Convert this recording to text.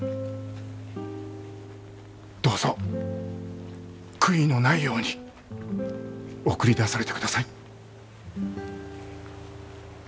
どうぞ悔いのないように送り出されてください。